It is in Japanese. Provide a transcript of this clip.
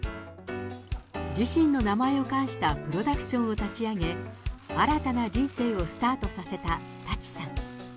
自身の名前を冠したプロダクションを立ち上げ、新たな人生をスタートさせた舘さん。